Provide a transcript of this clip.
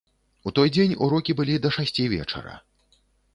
У той дзень урокі былі да шасці вечара.